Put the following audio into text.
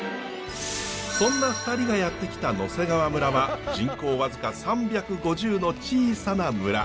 そんな２人がやって来た野迫川村は人口僅か３５０の小さな村。